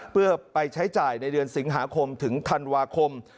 เพื่อไปใช้จ่ายในเดือนสิงหาคมถึงธันวาคม